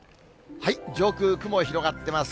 上空、雲広がっています。